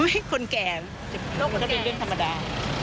อ๋อคนแก่ถ้าเป็นเรื่องธรรมดา